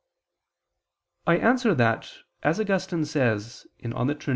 I answer that, As Augustine says (De Trin.